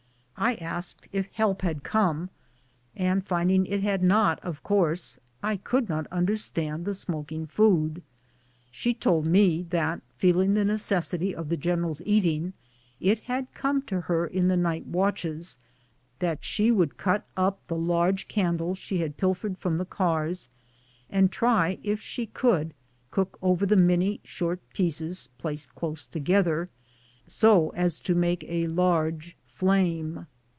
I asked if help had come, and finding it had not, of course, I could not understand the smoking food. She told me that feeling the neces sity of the general's eating, it had come to her in the night watches that she would cut up the large candles she had pilfered from the cars, and try if she could cook over the many short pieces placed close together, so as to make a large flame.